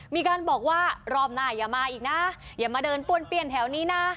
มีการบอกว่ารอบหน้าอย่ามาอีกนะอย่ามาเดินป้วนเปลี่ยนแถวนี้นะ